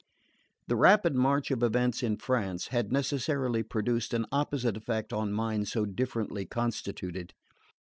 The rapid march of events in France had necessarily produced an opposite effect on minds so differently constituted.